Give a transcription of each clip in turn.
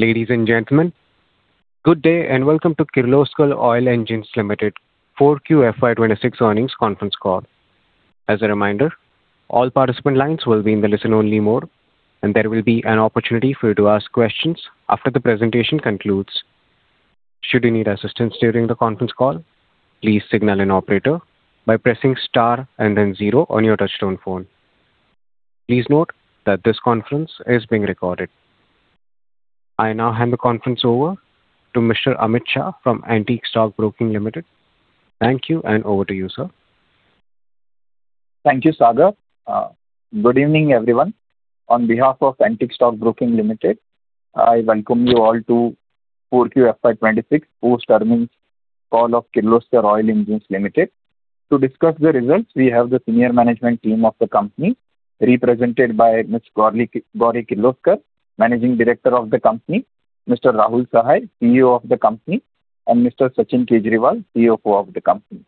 Ladies and gentlemen, good day, and welcome to Kirloskar Oil Engines Limited 4Q FY 2026 earnings conference call. As a reminder, all participant lines will be in the listen only mode, and there will be an opportunity for you to ask questions after the presentation concludes. Should you need assistance during the conference call, please signal an operator by pressing star and then zero on your touchtone phone. Please note that this conference is being recorded. I now hand the conference over to Mr. Amit Shah from Antique Stock Broking Limited. Thank you, and over to you, sir. Thank you, Sagar. Good evening, everyone. On behalf of Antique Stock Broking Limited, I welcome you all to 4Q FY 2026 post-earnings call of Kirloskar Oil Engines Limited. To discuss the results, we have the senior management team of the company represented by Ms. Gauri Kirloskar, Managing Director of the company, Mr. Rahul Sahai, CEO of the company, and Mr. Sachin Kejriwal, CFO of the company.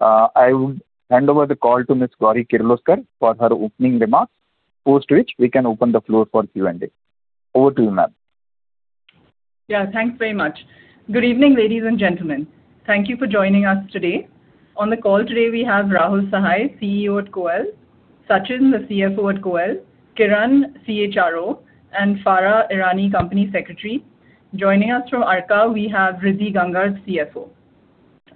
I will hand over the call to Ms. Gauri Kirloskar for her opening remarks, post which we can open the floor for Q&A. Over to you, ma'am. Yeah. Thanks very much. Good evening, ladies and gentlemen. Thank you for joining us today. On the call today we have Rahul Sahai, CEO at KOEL, Sachin, the CFO at KOEL, Kiran, CHRO, and Farah Irani, Company Secretary. Joining us from Arka we have Ridhi Gangar, CFO.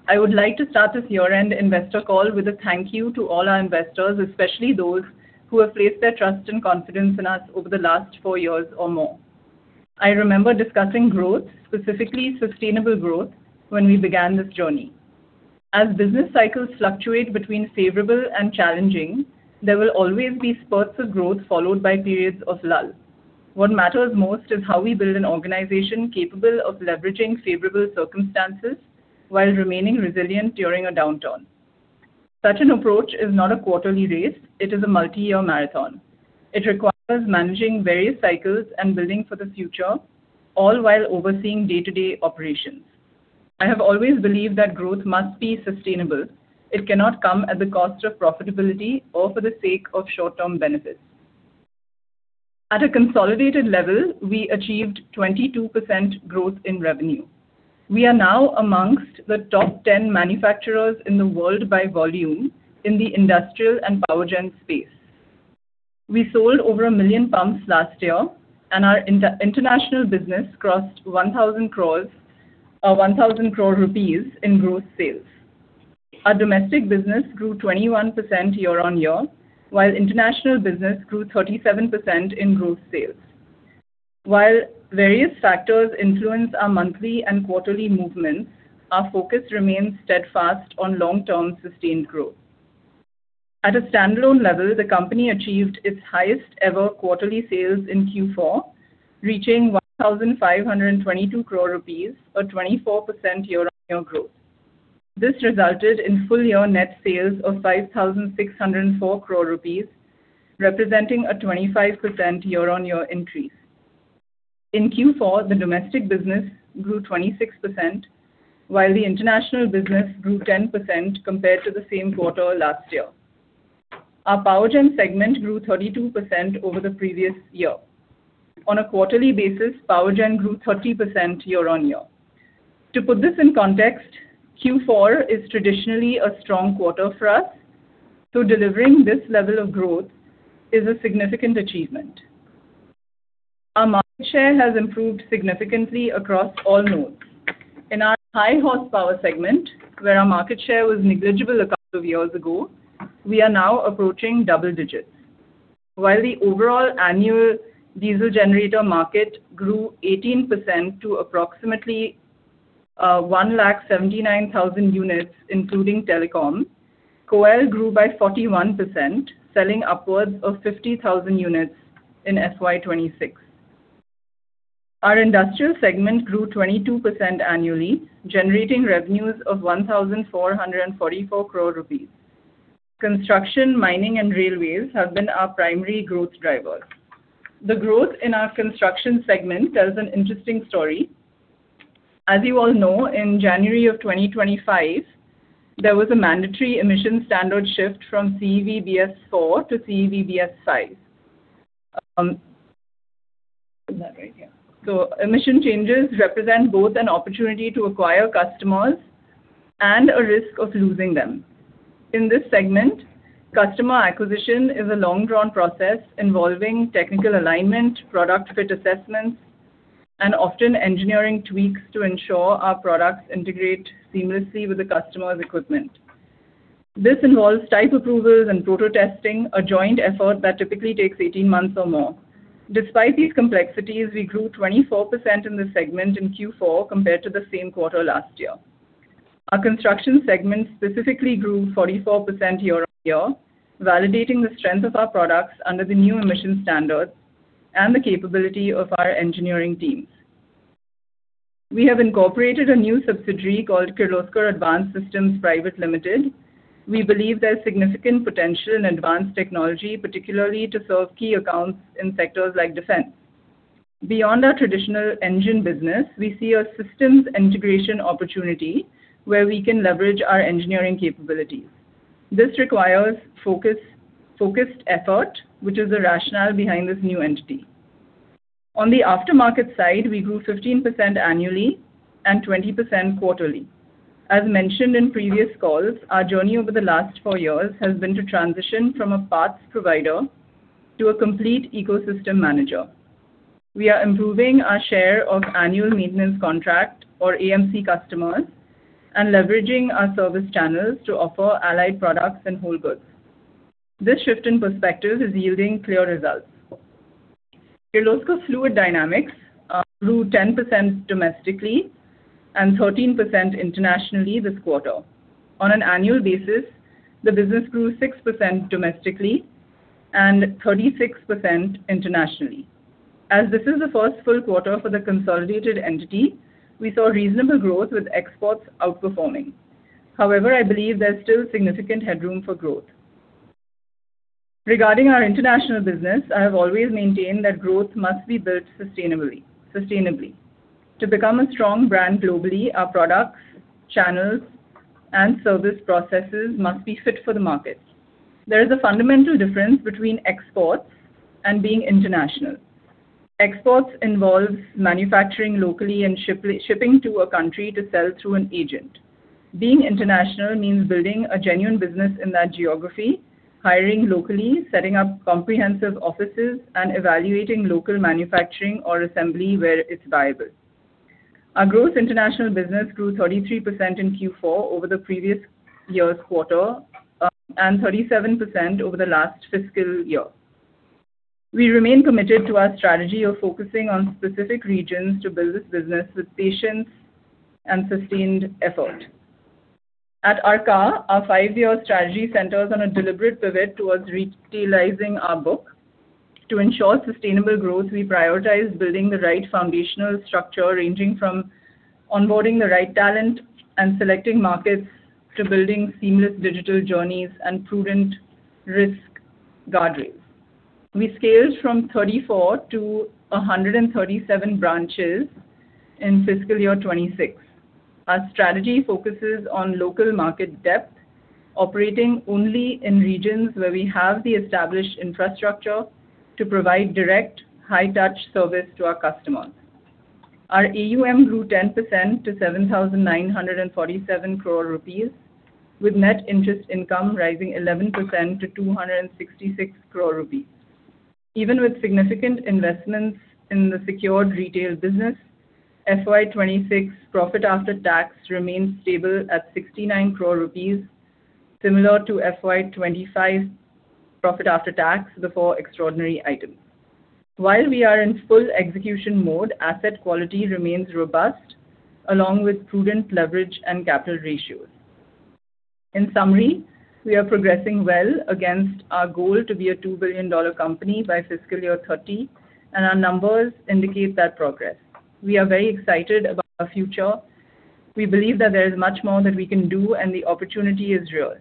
I would like to start this year-end investor call with a thank you to all our investors, especially those who have placed their trust and confidence in us over the last four years or more. I remember discussing growth, specifically sustainable growth, when we began this journey. As business cycles fluctuate between favorable and challenging, there will always be spurts of growth followed by periods of lull. What matters most is how we build an organization capable of leveraging favorable circumstances while remaining resilient during a downturn. Such an approach is not a quarterly race, it is a multi-year marathon. It requires managing various cycles and building for the future, all while overseeing day-to-day operations. I have always believed that growth must be sustainable. It cannot come at the cost of profitability or for the sake of short-term benefits. At a consolidated level, we achieved 22% growth in revenue. We are now amongst the top 10 manufacturers in the world by volume in the industrial and power gen space. We sold over 1 million pumps last year, and our international business crossed 1,000 crore rupees in gross sales. Our domestic business grew 21% year-on-year, while international business grew 37% in gross sales. While various factors influence our monthly and quarterly movements, our focus remains steadfast on long-term sustained growth. At a standalone level, the company achieved its highest ever quarterly sales in Q4, reaching 1,522 crore rupees, a 24% year-on-year growth. This resulted in full year net sales of 5,604 crore rupees, representing a 25% year-on-year increase. In Q4, the domestic business grew 26% while the international business grew 10% compared to the same quarter last year. Our power gen segment grew 32% over the previous year. On a quarterly basis, power gen grew 30% year-on-year. To put this in context, Q4 is traditionally a strong quarter for us, so delivering this level of growth is a significant achievement. Our market share has improved significantly across all nodes. In our high horsepower segment, where our market share was negligible a couple of years ago, we are now approaching double digits. While the overall annual diesel generator market grew 18% to approximately 179,000 units, including telecom, KOEL grew by 41%, selling upwards of 50,000 units in FY 2026. Our industrial segment grew 22% annually, generating revenues of 1,444 crore rupees. Construction, mining, and railways have been our primary growth drivers. The growth in our construction segment tells an interesting story. As you all know, in January of 2025, there was a mandatory emission standard shift from CEV Stage IV to CEV Stage V. Is that right? Yeah. Emission changes represent both an opportunity to acquire customers and a risk of losing them. In this segment, customer acquisition is a long drawn process involving technical alignment, product fit assessments, and often engineering tweaks to ensure our products integrate seamlessly with the customer's equipment. This involves type approvals and proto-testing, a joint effort that typically takes 18 months or more. Despite these complexities, we grew 24% in this segment in Q4 compared to the same quarter last year. Our construction segment specifically grew 44% year-on-year, validating the strength of our products under the new emission standards and the capability of our engineering teams. We have incorporated a new subsidiary called Kirloskar Advanced Systems Private Limited. We believe there's significant potential in advanced technology, particularly to serve key accounts in sectors like defense. Beyond our traditional engine business, we see a systems integration opportunity where we can leverage our engineering capabilities. This requires focus, focused effort, which is the rationale behind this new entity. On the aftermarket side, we grew 15% annually and 20% quarterly. As mentioned in previous calls, our journey over the last four years has been to transition from a parts provider to a complete ecosystem manager. We are improving our share of annual maintenance contract or AMC customers and leveraging our service channels to offer allied products and whole goods. This shift in perspective is yielding clear results. Kirloskar Fluid Dynamics grew 10% domestically and 13% internationally this quarter. On an annual basis, the business grew 6% domestically and 36% internationally. As this is the first full quarter for the consolidated entity, we saw reasonable growth with exports outperforming. However, I believe there's still significant headroom for growth. Regarding our international business, I have always maintained that growth must be built sustainably. To become a strong brand globally, our products, channels and service processes must be fit for the markets. There is a fundamental difference between exports and being international. Exports involves manufacturing locally and shipping to a country to sell through an agent. Being international means building a genuine business in that geography, hiring locally, setting up comprehensive offices, and evaluating local manufacturing or assembly where it's viable. Our gross international business grew 33% in Q4 over the previous year's quarter, and 37% over the last fiscal year. We remain committed to our strategy of focusing on specific regions to build this business with patience and sustained effort. At Arka, our five-year strategy centers on a deliberate pivot towards retailizing our book. To ensure sustainable growth, we prioritize building the right foundational structure, ranging from onboarding the right talent and selecting markets to building seamless digital journeys and prudent risk guardrails. We scaled from 34 to 137 branches in FY 2026. Our strategy focuses on local market depth, operating only in regions where we have the established infrastructure to provide direct high touch service to our customers. Our AUM grew 10% to 7,947 crore rupees, with net interest income rising 11% to 266 crore rupees. Even with significant investments in the secured retail business, FY 2026 profit after tax remains stable at 69 crore rupees, similar to FY 2025 profit after tax before extraordinary items. While we are in full execution mode, asset quality remains robust, along with prudent leverage and capital ratios. In summary, we are progressing well against our goal to be a two billion company by fiscal year 2030, and our numbers indicate that progress. We are very excited about our future. We believe that there is much more that we can do, and the opportunity is real.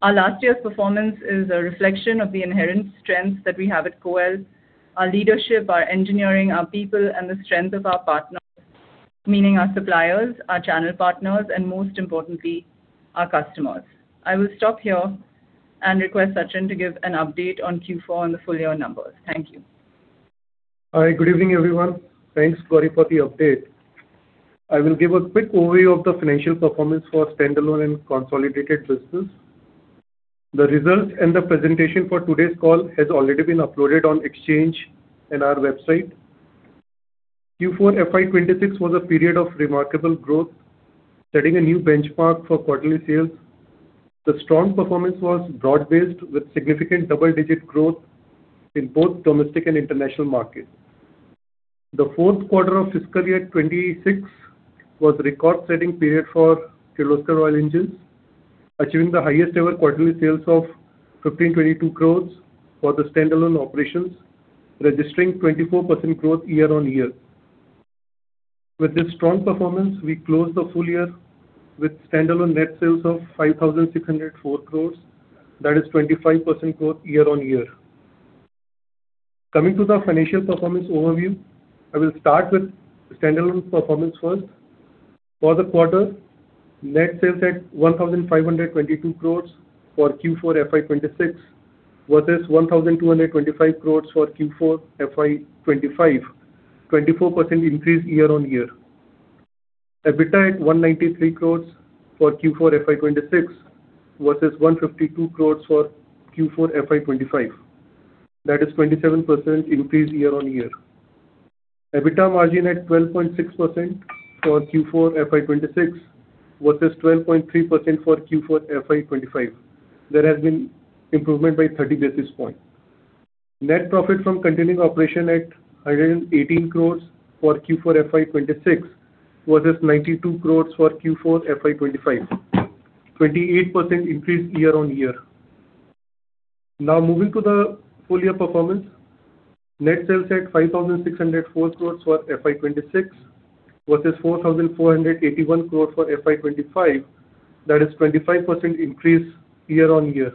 Our last year's performance is a reflection of the inherent strengths that we have at KOEL, our leadership, our engineering, our people, and the strength of our partners, meaning our suppliers, our channel partners, and most importantly, our customers. I will stop here and request Sachin to give an update on Q4 and the full year numbers. Thank you. Hi, good evening, everyone. Thanks, Gauri, for the update. I will give a quick overview of the financial performance for standalone and consolidated business. The results and the presentation for today's call has already been uploaded on exchange in our website. Q4 FY 2026 was a period of remarkable growth, setting a new benchmark for quarterly sales. The strong performance was broad-based with significant double-digit growth in both domestic and international markets. The fourth quarter of fiscal year 2026 was record-setting period for Kirloskar Oil Engines, achieving the highest ever quarterly sales of 1,522 crores for the standalone operations, registering 24% growth year-on-year. With this strong performance, we closed the full year with standalone net sales of 5,604 crores, that is 25% growth year-on-year. Coming to the financial performance overview, I will start with standalone performance first. For the quarter, net sales at 1,522 crore for Q4 FY 2026 versus 1,225 crore for Q4 FY 2025, 24% increase year-on-year. EBITDA at 193 crore for Q4 FY 2026 versus 152 crore for Q4 FY 2025. That is 27% increase year-on-year. EBITDA margin at 12.6% for Q4 FY 2026 versus 12.3% for Q4 FY 2025. There has been improvement by 30 basis points. Net profit from continuing operation at 118 crore for Q4 FY 2026 versus 92 crore for Q4 FY 2025, 28% increase year-on-year. Now moving to the full year performance. Net sales at 5,604 crore for FY 2026 versus 4,481 crore for FY 2025. That is 25% increase year-on-year.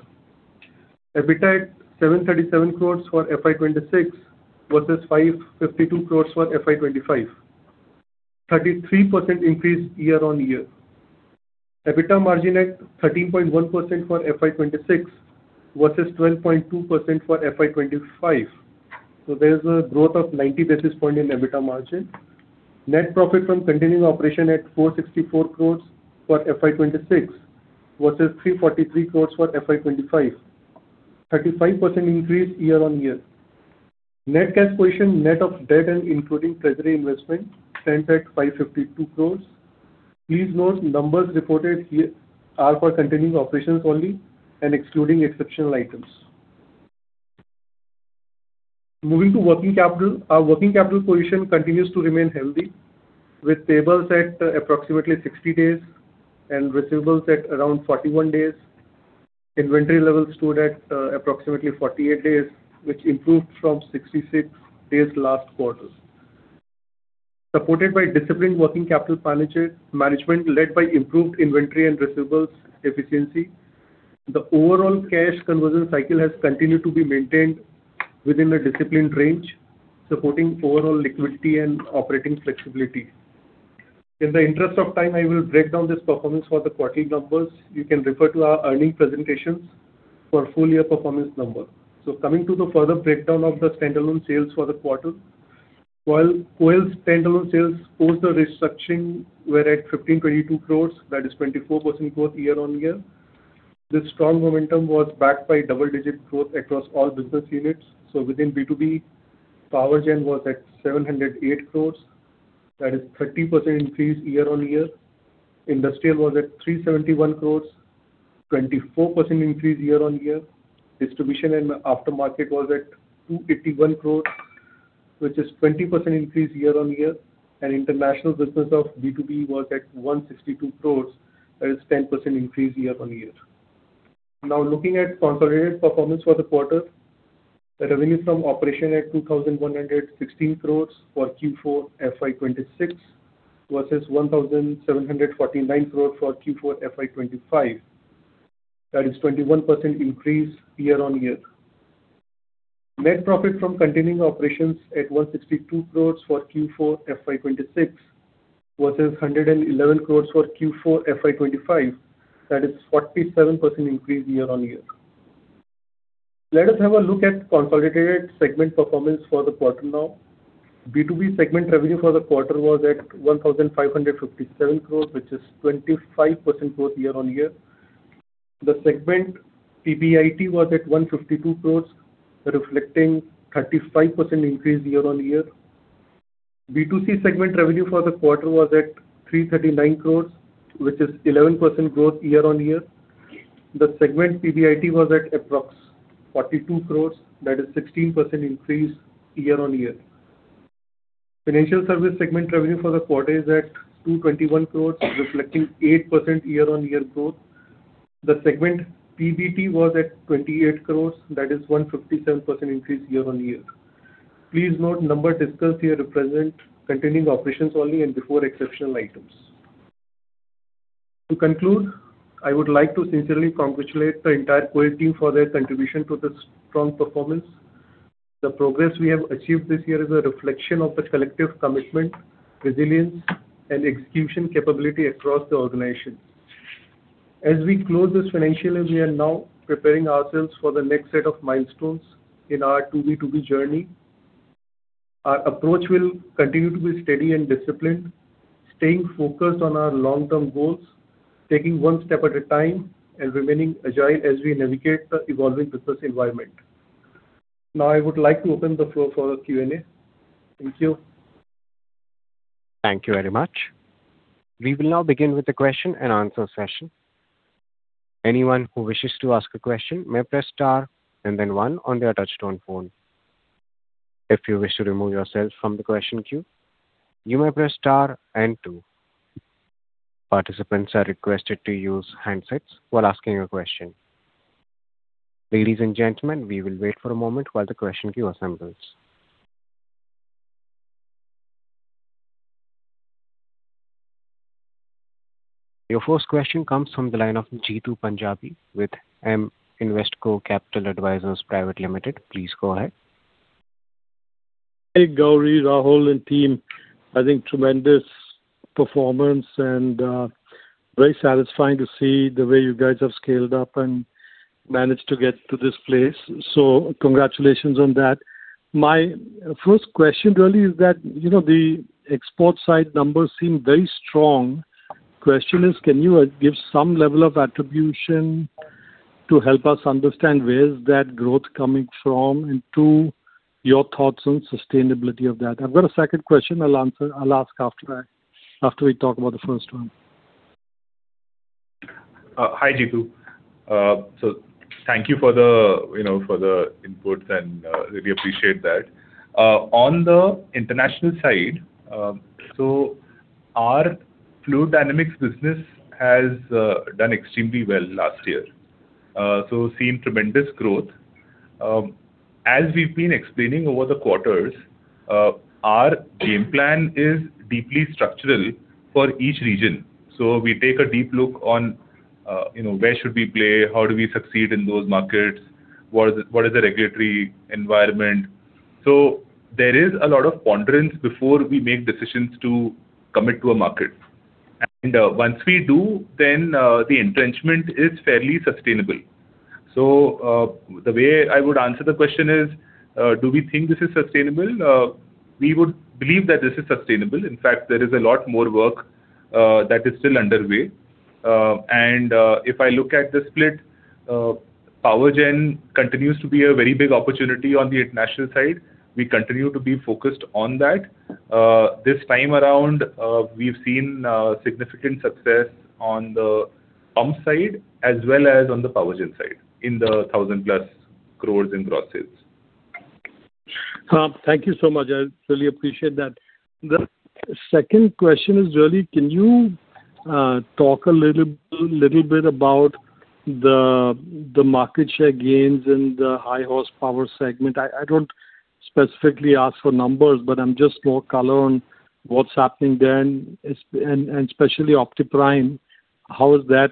EBITDA at 737 crore for FY 2026 versus 552 crore for FY 2025. 33% increase year-on-year. EBITDA margin at 13.1% for FY 2026 versus 12.2% for FY 2025. There is a growth of 90 basis points in EBITDA margin. Net profit from continuing operation at 464 crore for FY 2026 versus 343 crore for FY 2025. 35% increase year-on-year. Net cash position, net of debt, and including treasury investment stands at 552 crore. Please note numbers reported here are for continuing operations only and excluding exceptional items. Moving to working capital. Our working capital position continues to remain healthy, with payables at approximately 60 days and receivables at around 41 days. Inventory levels stood at approximately 48 days, which improved from 66 days last quarter. Supported by disciplined working capital management led by improved inventory and receivables efficiency, the overall cash conversion cycle has continued to be maintained within a disciplined range, supporting overall liquidity and operating flexibility. In the interest of time, I will break down this performance for the quarterly numbers. You can refer to our earning presentations for full year performance number. Coming to the further breakdown of the standalone sales for the quarter. While KOEL's standalone sales post the restructuring were at 1,522 crores, that is 24% growth year-on-year. This strong momentum was backed by double-digit growth across all business units. Within B2B, power gen was at 708 crores. That is 30% increase year-on-year. Industrial was at 371 crores, 24% increase year-over-year. Distribution and aftermarket was at 281 crores, which is 20% increase year-over-year. International business of B2B was at 162 crores. That is 10% increase year-over-year. Now looking at consolidated performance for the quarter. The revenue from operation at 2,116 crores for Q4 FY 2026 versus 1,749 crores for Q4 FY 2025. That is 21% increase year-over-year. Net profit from continuing operations at 162 crores for Q4 FY 2026 versus 111 crores for Q4 FY 2025. That is 47% increase year-over-year. Let us have a look at consolidated segment performance for the quarter now. B2B segment revenue for the quarter was at 1,557 crores, which is 25% growth year-on-year. The segment PBIT was at 152 crores, reflecting 35% increase year-on-year. B2C segment revenue for the quarter was at 339 crores, which is 11% growth year-on-year. The segment PBIT was at approx 42 crores. That is 16% increase year-on-year. Financial service segment revenue for the quarter is at 221 crores, reflecting 8% year-on-year growth. The segment PBT was at 28 crores. That is 157% increase year-on-year. Please note numbers discussed here represent continuing operations only and before exceptional items. To conclude, I would like to sincerely congratulate the entire KOEL team for their contribution to this strong performance. The progress we have achieved this year is a reflection of the collective commitment, resilience, and execution capability across the organization. As we close this financial year, we are now preparing ourselves for the next set of milestones in our B2B journey. Our approach will continue to be steady and disciplined, staying focused on our long-term goals, taking one step at a time and remaining agile as we navigate the evolving business environment. Now I would like to open the floor for Q&A. Thank you. Thank you very much. We will now begin with the question and answer session. Anyone who wishes to ask a question may press star and then one on their touchtone phone. If you wish to remove yourself from the question queue, you may press star and two. Participants are requested to use handsets while asking a question. Ladies and gentlemen, we will wait for a moment while the question queue assembles. Your first question comes from the line of Jeetu Panjabi with EM Investco Capital Advisors Private Limited. Please go ahead. Hey, Gauri, Rahul, and team. I think tremendous performance and very satisfying to see the way you guys have scaled up and managed to get to this place. Congratulations on that. My first question really is that, you know, the export side numbers seem very strong. Question is, can you give some level of attribution to help us understand where is that growth coming from, and two, your thoughts on sustainability of that? I've got a second question I'll ask after that, after we talk about the first one. Hi, Jeetu. Thank you for the, you know, for the input and really appreciate that. On the international side, our fluid dynamics business has done extremely well last year. We've seen tremendous growth. As we've been explaining over the quarters, our game plan is deeply structural for each region. We take a deep look on You know, where should we play? How do we succeed in those markets? What is the regulatory environment? There is a lot of ponderance before we make decisions to commit to a market. Once we do, the entrenchment is fairly sustainable. The way I would answer the question is, do we think this is sustainable? We would believe that this is sustainable. In fact, there is a lot more work that is still underway. If I look at the split, power gen continues to be a very big opportunity on the international side. We continue to be focused on that. This time around, we've seen significant success on the pump side as well as on the power gen side in the 1,000+ crores in grosses. Thank you so much. I really appreciate that. The second question is really can you talk a little bit about the market share gains in the high horsepower segment? I don't specifically ask for numbers, but I'm just more color on what's happening there and especially OptiPrime. How is that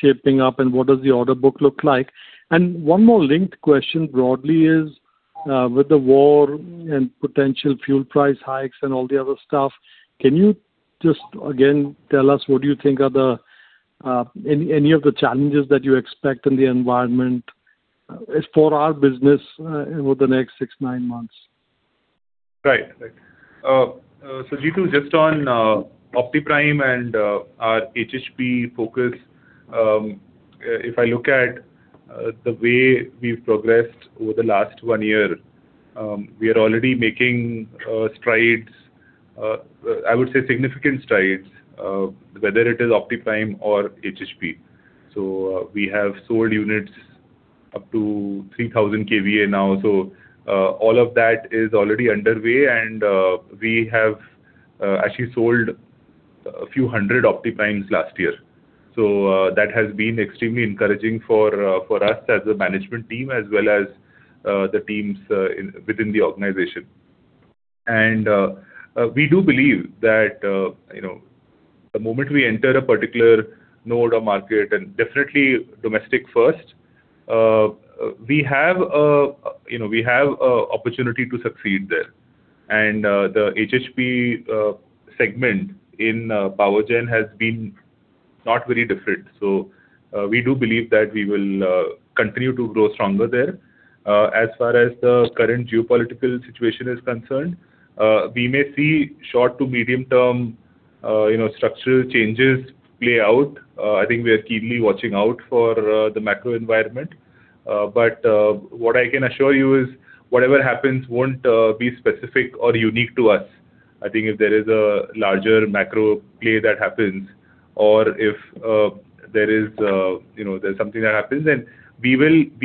shaping up and what does the order book look like? One more linked question broadly is with the war and potential fuel price hikes and all the other stuff, can you just again tell us what you think are any of the challenges that you expect in the environment as for our business over the next six, nine months? Right. Right. Jeetu just on OptiPrime and our HHP focus, if I look at the way we've progressed over the last one year, we are already making strides, I would say significant strides, whether it is OptiPrime or HHP. We have sold units up to 3,000 kVA now, all of that is already underway and we have actually sold a few hundred OptiPrimes last year. That has been extremely encouraging for us as a management team as well as the teams in, within the organization. We do believe that, you know, the moment we enter a particular node or market and definitely domestic first, we have a, you know, we have a opportunity to succeed there. The HHP segment in power gen has been not very different. We do believe that we will continue to grow stronger there. As far as the current geopolitical situation is concerned, we may see short to medium term, you know, structural changes play out. I think we are keenly watching out for the macro environment. What I can assure you is whatever happens won't be specific or unique to us. I think if there is a larger macro play that happens or if there is, you know, there's something that happens then we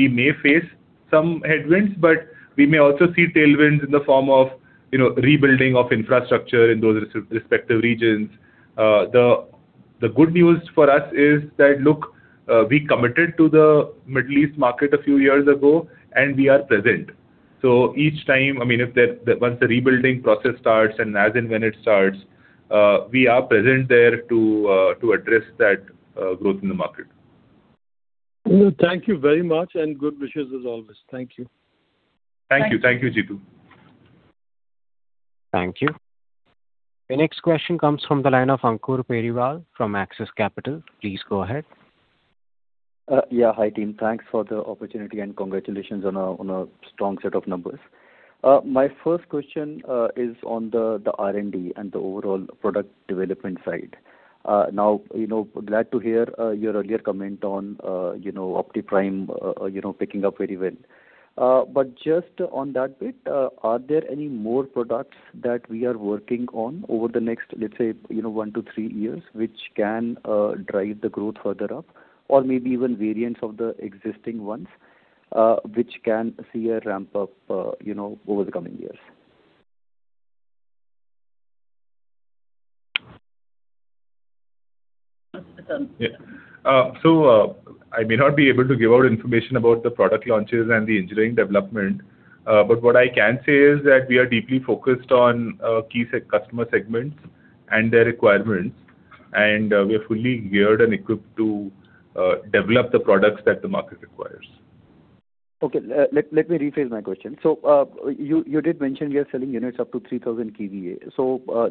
may face some headwinds, but we may also see tailwinds in the form of, you know, rebuilding of infrastructure in those respective regions. The good news for us is that, look, we committed to the Middle East market a few years ago and we are present. Each time, I mean, if the once the rebuilding process starts and as and when it starts, we are present there to address that growth in the market. Thank you very much and good wishes as always. Thank you. Thank you. Thank you, Jeetu Panjabi. Thank you. The next question comes from the line of Ankur Periwal from Axis Capital. Please go ahead. Yeah. Hi, team. Thanks for the opportunity and congratulations on a, on a strong set of numbers. My first question is on the R&D and the overall product development side. Now, you know, glad to hear your earlier comment on, you know, OptiPrime, you know, picking up very well. Just on that bit, are there any more products that we are working on over the next, let's say, you know, one to three years which can drive the growth further up? Maybe even variants of the existing ones, which can see a ramp up, you know, over the coming years? Yeah. I may not be able to give out information about the product launches and the engineering development, but what I can say is that we are deeply focused on key customer segments and their requirements, and we are fully geared and equipped to develop the products that the market requires. Okay. Let me rephrase my question. You did mention you are selling units up to 3,000 kVA.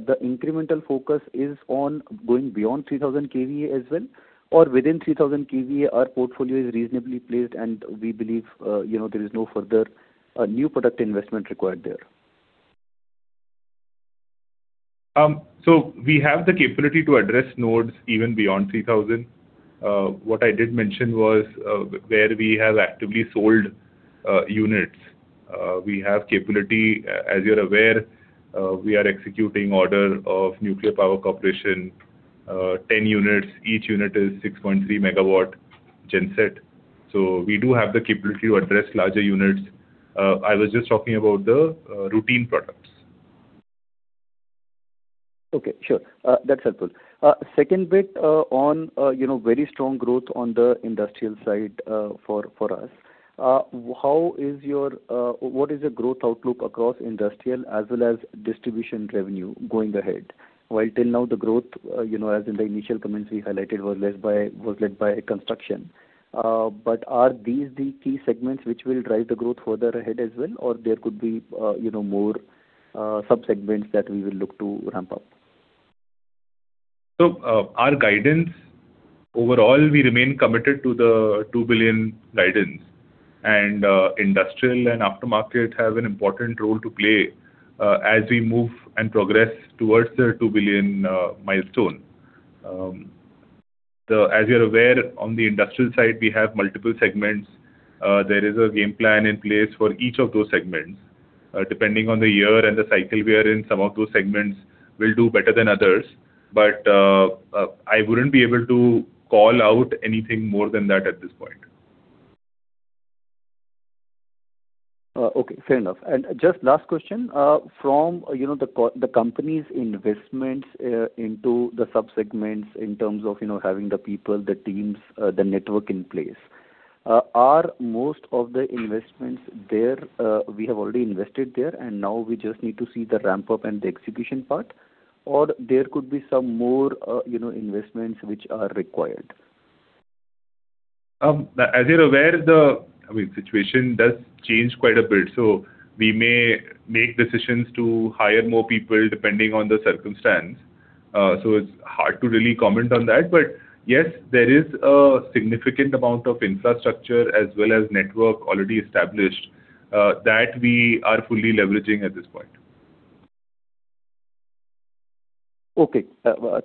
The incremental focus is on going beyond 3,000 kVA as well or within 3,000 kVA our portfolio is reasonably placed and we believe, you know, there is no further new product investment required there? We have the capability to address nodes even beyond 3,000 kVA. What I did mention was where we have actively sold units. We have capability, as you're aware, we are executing order of Nuclear Power Corporation, 10 units. Each unit is 6.3 megawatt genset. We do have the capability to address larger units. I was just talking about the routine products. Okay, sure. That's helpful. Second bit, on, you know, very strong growth on the industrial side, for us. How is your what is the growth outlook across industrial as well as distribution revenue going ahead? While till now the growth, you know, as in the initial comments we highlighted was led by construction. Are these the key segments which will drive the growth further ahead as well or there could be, you know, more, sub-segments that we will look to ramp up? Our guidance, overall, we remain committed to the 2 billion guidance and industrial and aftermarket have an important role to play as we move and progress towards the 2 billion milestone. As you're aware, on the industrial side, we have multiple segments. There is a game plan in place for each of those segments. Depending on the year and the cycle we are in, some of those segments will do better than others. I wouldn't be able to call out anything more than that at this point. Okay. Fair enough. And just last question, from, you know, the company's investments, into the sub-segments in terms of, you know, having the people, the teams, the network in place. Are most of the investments there, we have already invested there, and now we just need to see the ramp-up and the execution part, or there could be some more, you know, investments which are required? As you're aware, the situation does change quite a bit, so we may make decisions to hire more people depending on the circumstance. It's hard to really comment on that. Yes, there is a significant amount of infrastructure as well as network already established that we are fully leveraging at this point.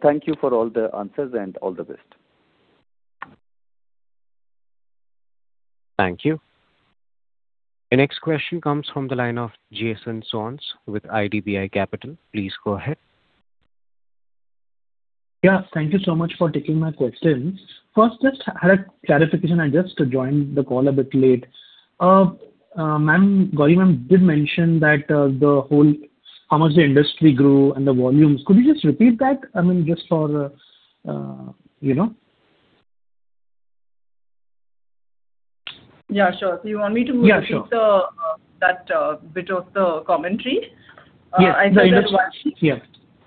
Thank you for all the answers and all the best. Thank you. The next question comes from the line of Jason Soans with IDBI Capital. Please go ahead. Yeah. Thank you so much for taking my questions. First, just had a clarification. I just joined the call a bit late. Ma'am, Gauri ma'am did mention that, the whole how much the industry grew and the volumes. Could you just repeat that? I mean, just for, you know. Yeah, sure. you want me to- Yeah, sure. repeat the, that, bit of the commentary? Yes. I think there's one sheet. Yeah.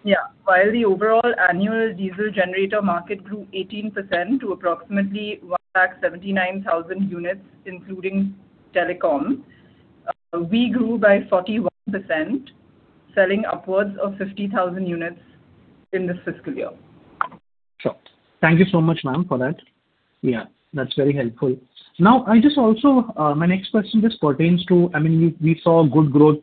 Yeah. While the overall annual diesel generator market grew 18% to approximately 1,79,000 units, including telecom, we grew by 41%, selling upwards of 50,000 units in this fiscal year. Sure. Thank you so much, ma'am, for that. Yeah, that's very helpful. Now, I just also, my next question just pertains to, I mean, we saw good growth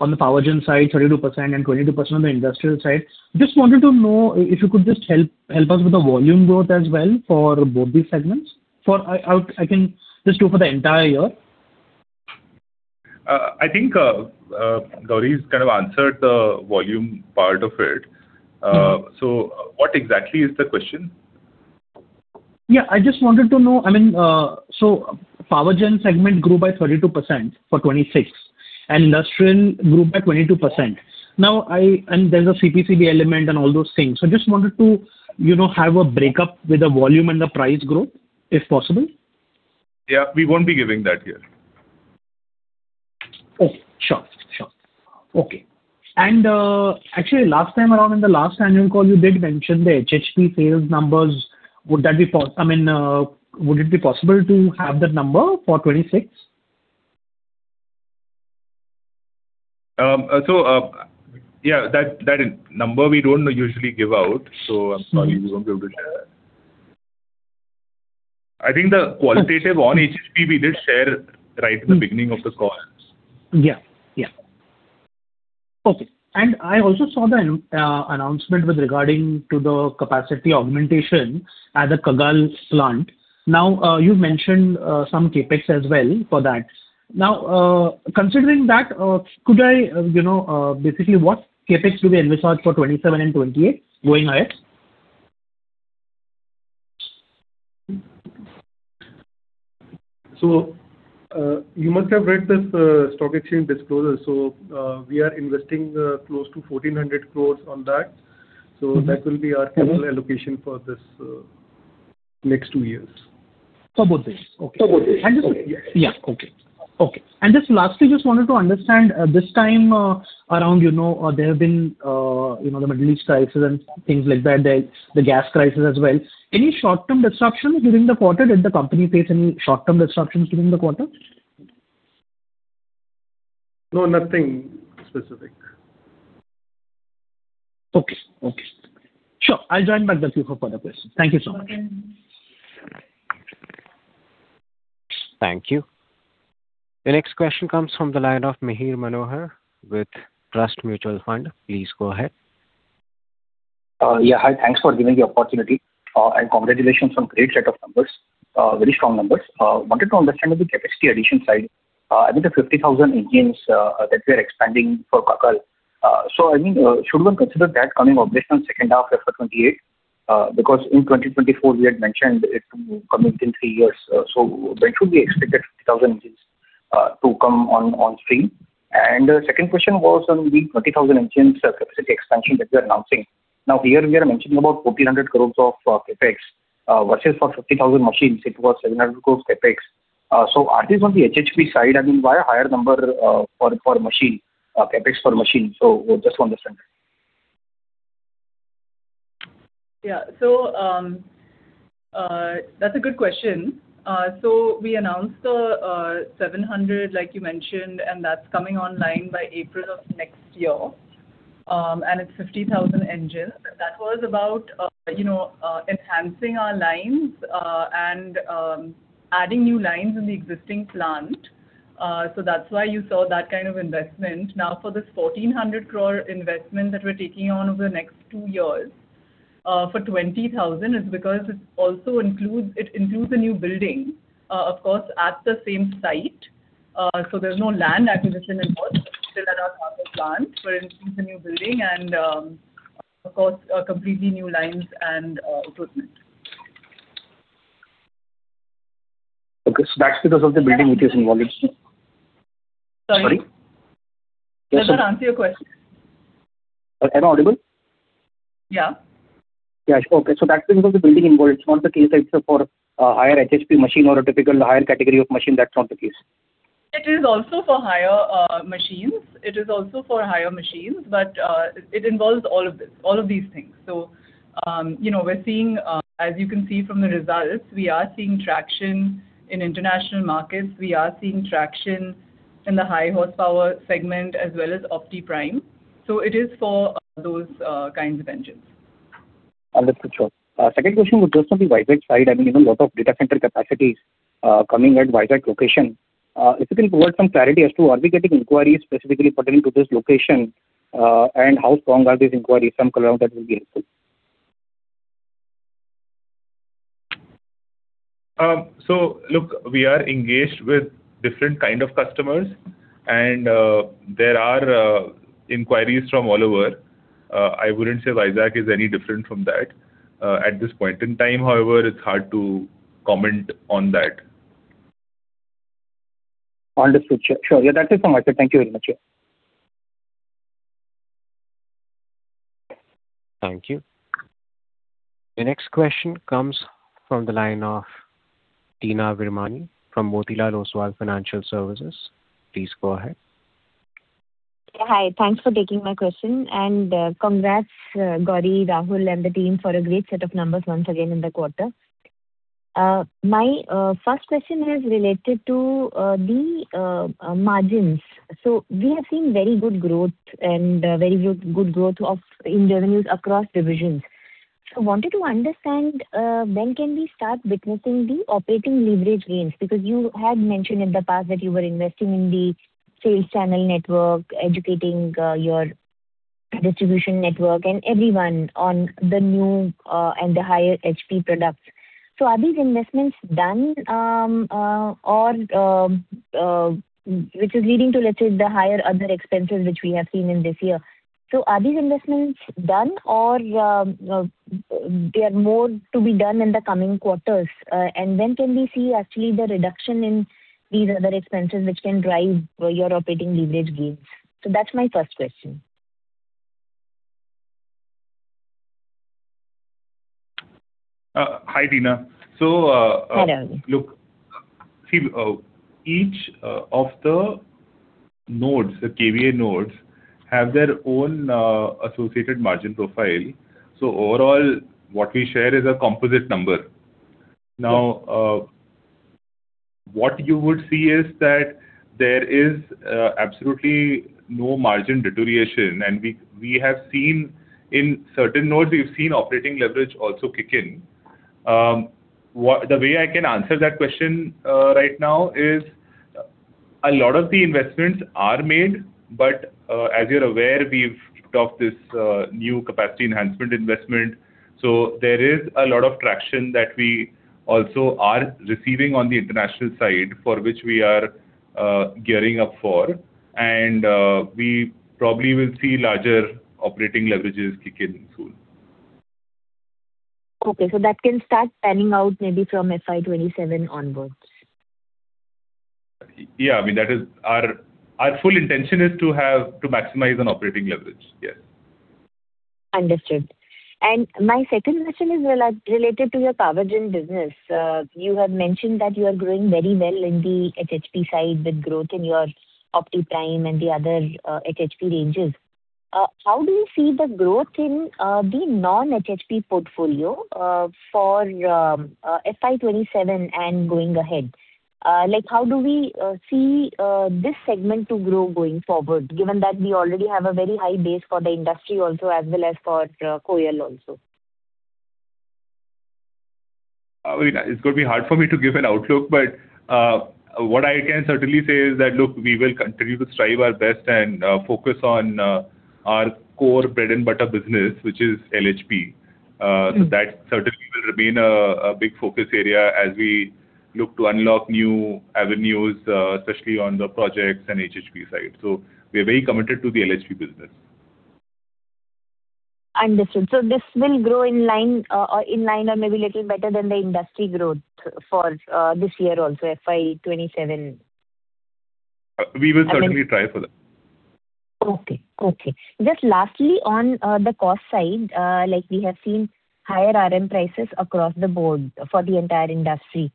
on the power gen side, 32% and 22% on the industrial side. Just wanted to know if you could just help us with the volume growth as well for both these segments. For, I can just do for the entire year. I think, Gauri's kind of answered the volume part of it. What exactly is the question? Yeah, I just wanted to know, I mean, power gen segment grew by 32% for 2026 and industrial grew by 22%. Now there's a CPCB element and all those things. Just wanted to, you know, have a breakup with the volume and the price growth, if possible? We won't be giving that here. Okay. Sure. Sure. Okay. Actually last time around in the last annual call you did mention the HHP sales numbers. I mean, would it be possible to have that number for 2026? Yeah, that number we don't usually give out, so I'm sorry we won't be able to share that. I think the qualitative on HHP we did share right at the beginning of the call. Yeah. Yeah. Okay. I also saw the announcement regarding the capacity augmentation at the Kagal plant. You've mentioned some CapEx as well for that. Considering that, could I, you know, basically what CapEx do we envisage for 2027 and 2028 going ahead? You must have read this stock exchange disclosure. We are investing close to 1,400 crore on that. That will be our capital allocation for this next two years. For both these? Okay. For both these. And just- Yeah. Yeah. Okay. Okay. Just lastly, just wanted to understand, this time around, you know, there have been, you know, the Middle East crisis and things like that. There's the gas crisis as well. Any short-term disruptions during the quarter? Did the company face any short-term disruptions during the quarter? No, nothing specific. Okay. Okay. Sure. I'll join back with you for further questions. Thank you so much. Thank you. The next question comes from the line of Mihir Manohar with Trust Mutual Fund. Please go ahead. Yeah. Hi. Thanks for giving the opportunity. Congratulations on great set of numbers. Very strong numbers. Wanted to understand on the CapEx addition side, I think the 50,000 engines that we are expanding for Kagal. I mean, should one consider that coming operational second half after 2028? In 2024 we had mentioned it coming in three years. When should we expect that 50,000 engines? To come on stream. The second question was on the 30,000 engine capacity expansion that you're announcing. Here we are mentioning about 1,400 crores of CapEx versus for 50,000 machines it was 700 crores CapEx. Are these on the HHP side? I mean, why a higher number for machine CapEx for machine? Just want to understand that. Yeah. That's a good question. We announced the 700, like you mentioned, and that's coming online by April of next year. It's 50,000 engines. That was about, you know, enhancing our lines and adding new lines in the existing plant. That's why you saw that kind of investment. Now, for this 1,400 crore investment that we're taking on over the next two years, for 20,000, it's because it also includes, it includes a new building, of course, at the same site. There's no land acquisition involved. Still at our current plant, we're introducing a new building and, of course, completely new lines and equipment. Okay. That's because of the building which is involved. Sorry? Sorry. Does that answer your question? Am I audible? Yeah. Yeah. Okay. That's because of the building involved. It's not the case that it's for a higher HHP machine or a typical higher category of machine. That's not the case. It is also for higher machines. It is also for higher machines, but it involves all of these things. You know, we're seeing, as you can see from the results, we are seeing traction in international markets. We are seeing traction in the high horsepower segment as well as OptiPrime. It is for those kinds of engines. Understood. Sure. Second question was just on the Vizag side. You know, lot of data center capacities coming at Vizag location. If you can provide some clarity as to are we getting inquiries specifically pertaining to this location, and how strong are these inquiries? Some color on that will be helpful. Look, we are engaged with different kind of customers and there are inquiries from all over. I wouldn't say Vizag is any different from that. At this point in time, however, it's hard to comment on that. Understood. Sure, sure. Yeah, that is so much. Thank you very much. Yeah. Thank you. The next question comes from the line of Teena Virmani from Motilal Oswal Financial Services. Please go ahead. Yeah. Hi. Thanks for taking my question, and congrats, Gauri, Rahul, and the team for a great set of numbers once again in the quarter. My first question is related to the margins. We have seen very good growth and very good growth of in revenues across divisions. Wanted to understand when can we start witnessing the operating leverage gains? Because you had mentioned in the past that you were investing in the sales channel network, educating your distribution network and everyone on the new and the higher HP products. Are these investments done or which is leading to, let's say, the higher other expenses which we have seen in this year? Are these investments done or there are more to be done in the coming quarters? When can we see actually the reduction in these other expenses which can drive your operating leverage gains? That's my first question. Hi, Teena. Hi, Rahul. Look, see, each of the nodes, the kVA nodes have their own associated margin profile. Overall, what we share is a composite number. Now, what you would see is that there is absolutely no margin deterioration. We have seen in certain nodes, we've seen operating leverage also kick in. What the way I can answer that question right now is a lot of the investments are made, but as you're aware, we've talked this new capacity enhancement investment. There is a lot of traction that we also are receiving on the international side for which we are gearing up for, and we probably will see larger operating leverages kick in soon. Okay. That can start panning out maybe from FY 2027 onwards. I mean, that is our full intention is to have to maximize on operating leverage. Yes. Understood. My second question is related to your power gen business. You had mentioned that you are growing very well in the HHP side with growth in your OptiPrime and the other HHP ranges. How do you see the growth in the non-HHP portfolio for FY 2027 and going ahead? Like, how do we see this segment to grow going forward, given that we already have a very high base for the industry also, as well as for KOEL also? I mean, it's gonna be hard for me to give an outlook, but what I can certainly say is that, look, we will continue to strive our best and focus on our core bread-and-butter business, which is LHP. That certainly will remain a big focus area as we look to unlock new avenues, especially on the projects and HHP side. We're very committed to the LHP business. Understood. This will grow in line or maybe little better than the industry growth for this year also, FY 2027. We will certainly try for that. Okay. Okay. Just lastly on the cost side, like we have seen higher RM prices across the board for the entire industry.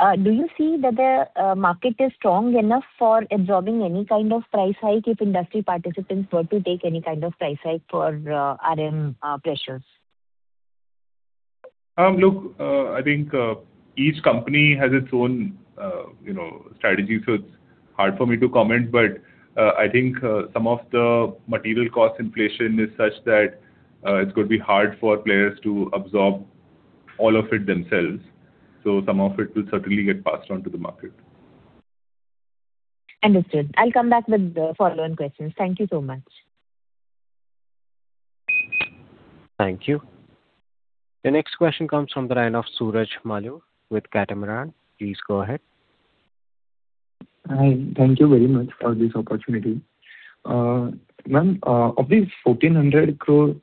Do you see that the market is strong enough for absorbing any kind of price hike if industry participants were to take any kind of price hike for RM pressures? Look, I think, each company has its own, you know, strategy, so it's hard for me to comment. I think, some of the material cost inflation is such that, it's gonna be hard for players to absorb all of it themselves. Some of it will certainly get passed on to the market. Understood. I'll come back with the follow-on questions. Thank you so much. Thank you. The next question comes from the line of Suraj Malu with Catamaran. Please go ahead. Hi. Thank you very much for this opportunity. Ma'am, of the 1,400 crore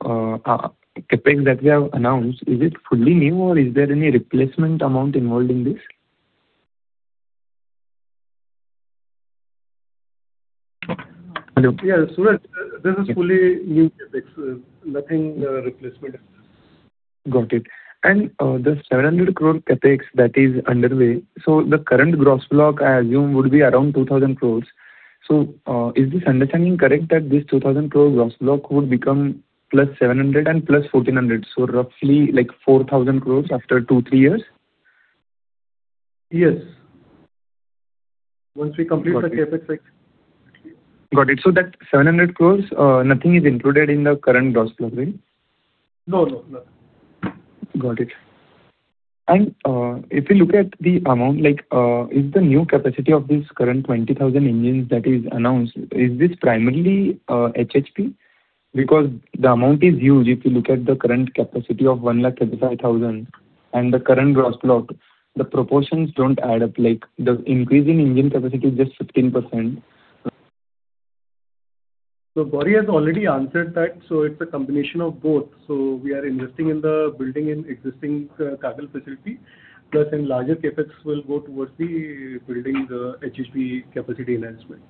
CapEx that we have announced, is it fully new or is there any replacement amount involved in this? Hello? Yeah, Suraj, this is fully new CapEx. Nothing, replacement in this. Got it. The 700 crore CapEx that is underway, the current gross block, I assume, would be around 2,000 crores. Is this understanding correct that this 2,000 crores gross block would become plus 700 and plus 1,400, so roughly like 4,000 crores after two, three years? Yes. Got it. the CapEx, like, actually. Got it. That 700 crore, nothing is included in the current gross block, right? No, no, nothing. Got it. If you look at the amount, like, is the new capacity of this current 20,000 engines that is announced, is this primarily HHP? Because the amount is huge. If you look at the current capacity of 135,000 and the current gross block, the proportions don't add up. The increase in engine capacity is just 15%. Gauri has already answered that. It's a combination of both. We are investing in the building in existing Kagal facility, plus in larger CapEx will go towards the building the HHP capacity enhancement.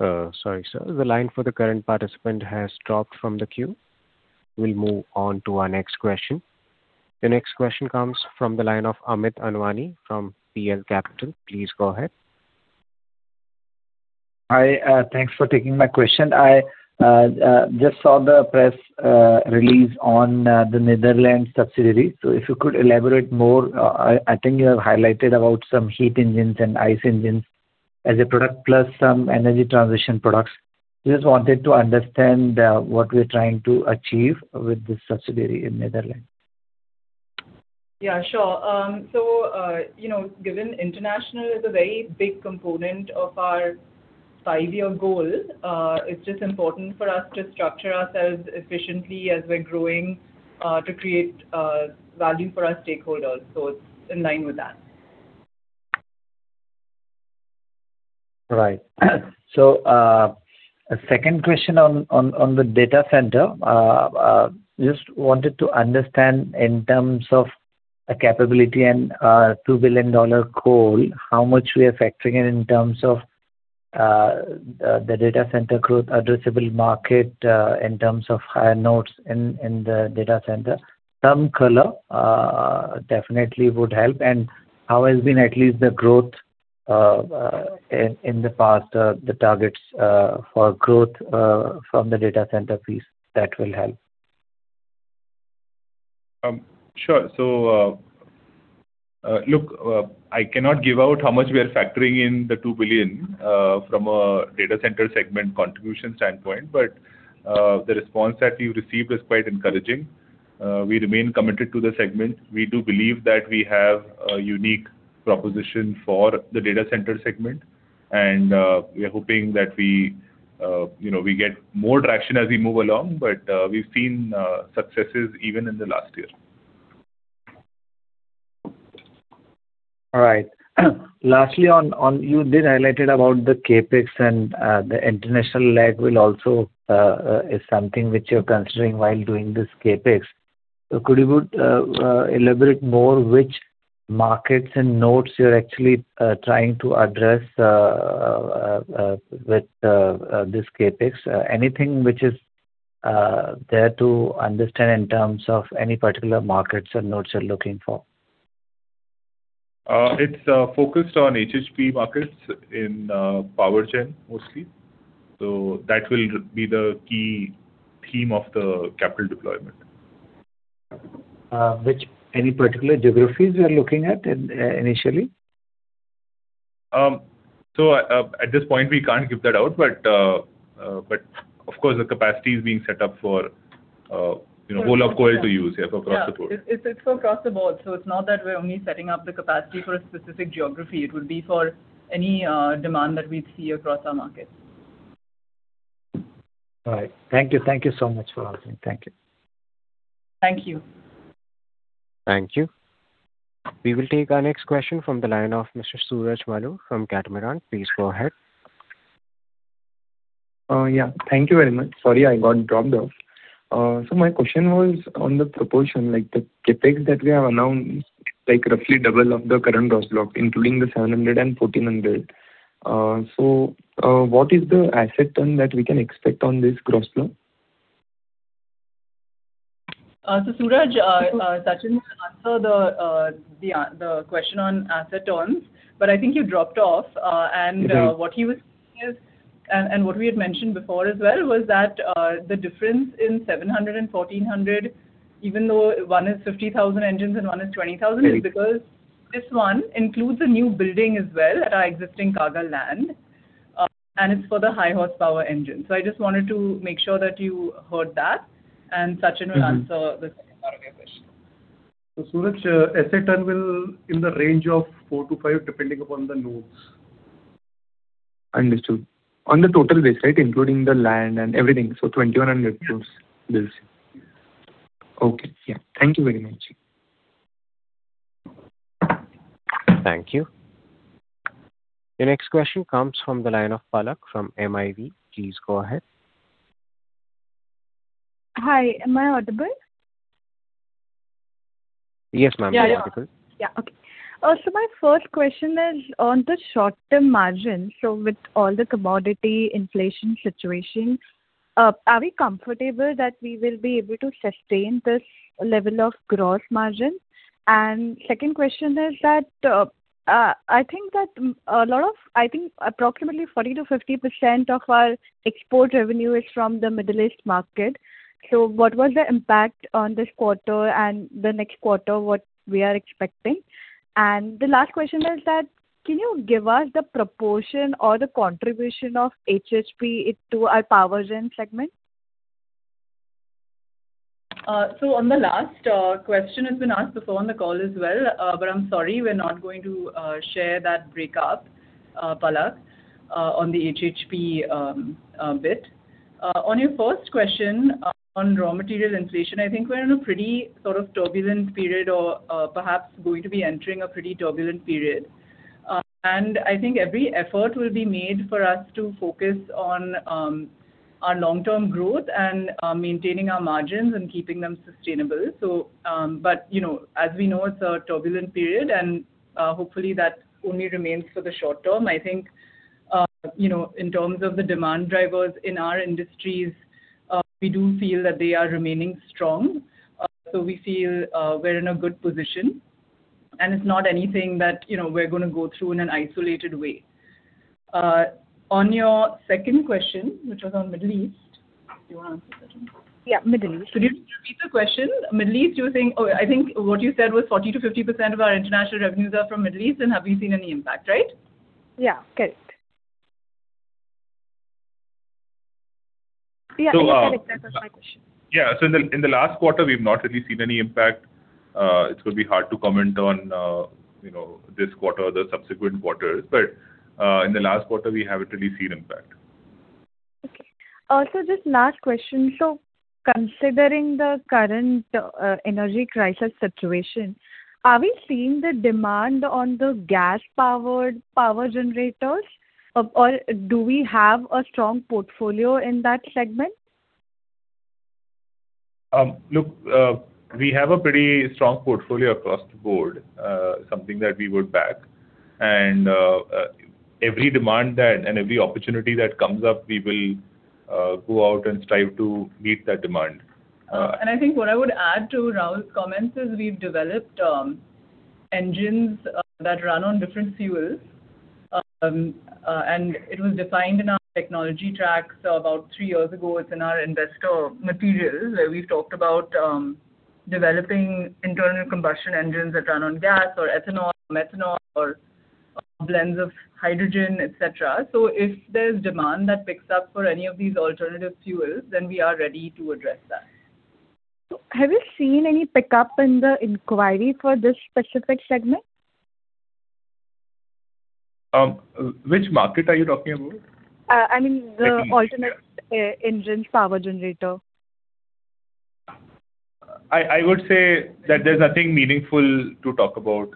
Sorry, sir. The line for the current participant has dropped from the queue. We'll move on to our next question. The next question comes from the line of Amit Anwani from PL Capital. Please go ahead. Hi. Thanks for taking my question. I just saw the press release on the Netherlands subsidiary. If you could elaborate more. I think you have highlighted about some heat engines and ICE engines as a product, plus some energy transition products. Just wanted to understand what we're trying to achieve with this subsidiary in Netherlands. Yeah, sure. You know, given international is a very big component of our five-year goal, it's just important for us to structure ourselves efficiently as we're growing, to create value for our stakeholders. It's in line with that. Right. A second question on the data center. Just wanted to understand in terms of the capability and two billion dollar goal, how much we are factoring in in terms of the data center growth addressable market, in terms of higher nodes in the data center. Some color definitely would help. How has been at least the growth in the past, the targets for growth from the data center piece? That will help. I cannot give out how much we are factoring in the two billion from a data center segment contribution standpoint. The response that we've received is quite encouraging. We remain committed to the segment. We do believe that we have a unique proposition for the data center segment, and we are hoping that we, you know, we get more traction as we move along. We've seen successes even in the last year. All right. Lastly on, you did highlight it about the CapEx and the international leg will also is something which you're considering while doing this CapEx. Could you elaborate more which markets and nodes you're actually trying to address with this CapEx? Anything which is there to understand in terms of any particular markets or nodes you're looking for? It's focused on HHP markets in power gen mostly. That will be the key theme of the capital deployment. Which any particular geographies you're looking at initially? At this point, we can't give that out. Of course, the capacity is being set up for, you know, whole of KOEL to use, yeah, for across the board. Yeah. It's for across the board, so it's not that we're only setting up the capacity for a specific geography. It will be for any demand that we'd see across our markets. All right. Thank you. Thank you so much for answering. Thank you. Thank you. Thank you. We will take our next question from the line of Mr. Suraj Malu from Catamaran. Please go ahead. Thank you very much. Sorry, I got dropped off. My question was on the proportion, like the CapEx that we have announced, like roughly double of the current gross block, including the 700 and 1,400. What is the asset turn that we can expect on this gross block? Suraj, Sachin will answer the question on asset turns, but I think you dropped off. What he was saying is, and what we had mentioned before as well, was that, the difference in 700 and 1,400, even though one is 50,000 engines and one is 20,000. Okay is because this one includes a new building as well at our existing Kagal land, and it's for the high horsepower engine. I just wanted to make sure that you heard that. Sachin will answer. the second part of your question. Suraj, asset turn will in the range of 4-5, depending upon the loads. Understood. On the total base, right? Including the land and everything. 2,100. Yes plus this. Okay. Yeah. Thank you very much. Thank you. The next question comes from the line of Palak from MIV. Please go ahead. Hi, am I audible? Yes, ma'am. Yeah, yeah. You're audible. Yeah. Okay. My first question is on the short-term margin. With all the commodity inflation situation, are we comfortable that we will be able to sustain this level of gross margin? Second question is that, I think that a lot of, I think approximately 40%-50% of our export revenue is from the Middle East market. What was the impact on this quarter and the next quarter, what we are expecting? The last question is that, can you give us the proportion or the contribution of HHP to our power gen segment? On the last question has been asked before on the call as well, but I'm sorry, we're not going to share that breakup, Palak, on the HHP bit. On your first question on raw material inflation, I think we're in a pretty sort of turbulent period or perhaps going to be entering a pretty turbulent period. I think every effort will be made for us to focus on our long-term growth and maintaining our margins and keeping them sustainable. But you know, as we know, it's a turbulent period and hopefully that only remains for the short term. I think, you know, in terms of the demand drivers in our industries, we do feel that they are remaining strong. We feel, we're in a good position and it's not anything that, you know, we're gonna go through in an isolated way. On your second question, which was on Middle East. Do you wanna answer that one? Yeah, Middle East. Could you just repeat the question? Middle East, you were saying, I think what you said was 40%-50% of our international revenues are from Middle East. Have you seen any impact, right? Yeah, correct. So, uh- You can address that question. Yeah. In the last quarter, we've not really seen any impact. It's gonna be hard to comment on, you know, this quarter or the subsequent quarters. In the last quarter, we haven't really seen impact. Okay. Just last question. Considering the current energy crisis situation, are we seeing the demand on the gas-powered power generators or do we have a strong portfolio in that segment? Look, we have a pretty strong portfolio across the board, something that we would back. Every demand that and every opportunity that comes up, we will go out and strive to meet that demand. I think what I would add to Rahul's comments is we've developed engines that run on different fuels. It was defined in our technology track, so about three years ago. It's in our investor materials where we've talked about developing internal combustion engines that run on gas or ethanol, methanol or blends of hydrogen, et cetera. If there's demand that picks up for any of these alternative fuels, then we are ready to address that. Have you seen any pickup in the inquiry for this specific segment? Which market are you talking about? I mean. Let me Yeah. alternate, engine power generator. I would say that there's nothing meaningful to talk about,